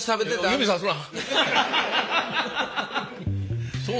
指さすな。